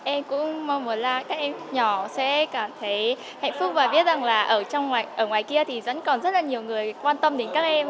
em cũng mong muốn là các em nhỏ sẽ cảm thấy hạnh phúc và biết rằng là ở trong ngoài kia thì vẫn còn rất là nhiều người quan tâm đến các em